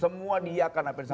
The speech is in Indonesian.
semua diiakan sampai ke mega